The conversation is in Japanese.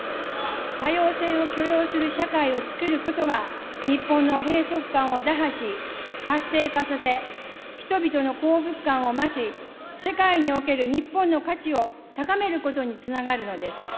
多様性を許容する社会をつくることが、日本の閉塞感を打破し、活性化させ、人々の幸福感を増し、世界における日本の価値を高めることにつながるのです。